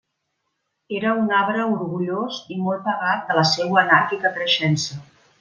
Era un arbre orgullós i molt pagat de la seua anàrquica creixença.